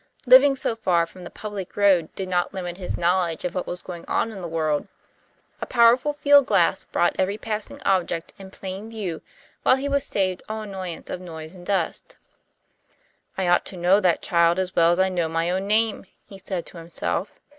Living so far from the public road did not limit his knowledge of what was going on in the world. A powerful field glass brought every passing object in plain view, while he was saved all annoyance of noise and dust. "I ought to know that child as well as I know my own name," he said to himself.